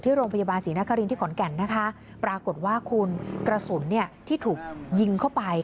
โรงพยาบาลศรีนครินที่ขอนแก่นนะคะปรากฏว่าคุณกระสุนเนี่ยที่ถูกยิงเข้าไป